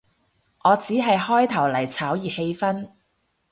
我只係開頭嚟炒熱氣氛